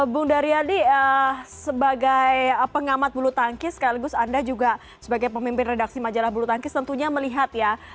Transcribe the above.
bung daryadi sebagai pengamat bulu tangkis sekaligus anda juga sebagai pemimpin redaksi majalah bulu tangkis tentunya melihat ya